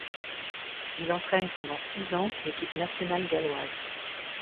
Il entraîne pendant six ans l'équipe nationale galloise.